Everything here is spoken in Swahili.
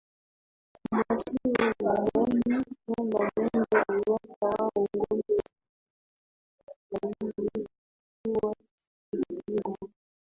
Wamasai huamini kwamba Mungu aliwapa wao ngombe wote duniani kwa hiyo kuchukua mifugo kutoka